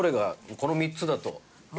この３つだと。